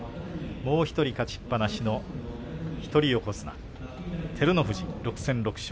もう１人勝ちっぱなしの一人横綱照ノ富士６戦６勝。